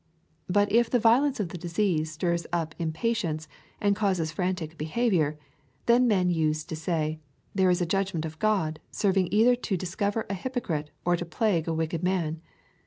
But if the violence of the disease stirs up impatience, and causes frantic behavior, then men use to say, ' There is a judgment of G od, serving either to discover a hypocrite or to plague a wicked man.